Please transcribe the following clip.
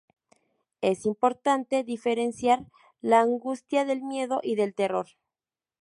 Es importante diferenciar la angustia del miedo y del terror.